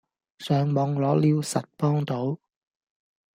上網攞料實幫到